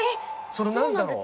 その何だろう。